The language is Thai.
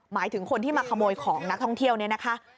หมายถึงคนที่มาขโมยของนักท่องเที่ยวเนี่ยนะคะ